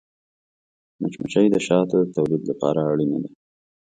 مچمچۍ د شاتو د تولید لپاره اړینه ده